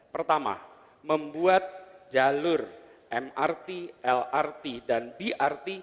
pertama membuat jalur mrt lrt dan brt